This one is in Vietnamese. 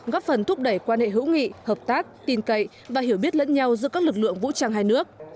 góp phần thúc đẩy quan hệ hữu nghị hợp tác tin cậy và hiểu biết lẫn nhau giữa các lực lượng vũ trang hai nước